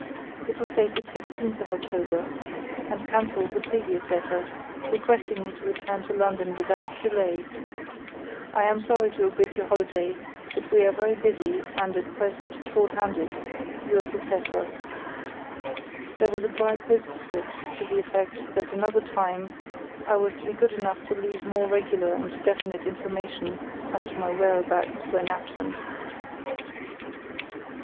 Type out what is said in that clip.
It was dated October 15, and cancelled the previous letter, requesting me to return to London without delay—"I am sorry to abridge your holiday, but we are very busy, and, at present, short handed.—Yours, etc." There was a dry postscript to the effect that another time I was to be good enough to leave more regular and definite information as to my whereabouts when absent.